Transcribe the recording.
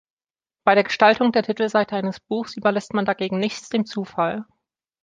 Bei der Gestaltung der Titelseite eines Buchs überlässt man dagegen „nichts dem Zufall“.